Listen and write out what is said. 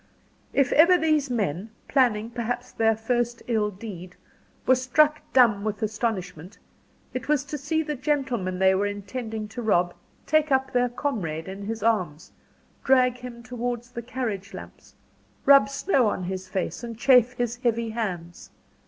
If ever these men, planning perhaps their first ill deed, were struck dumb with astonishment, it was to see the gentleman they were intending to rob take up their comrade in his arms, drag him towards the carriage lamps, rub snow on his face, and chafe his heavy hands.